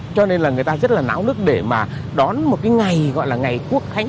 cho nên là người ta rất là náo nước để mà đón một cái ngày gọi là ngày quốc khánh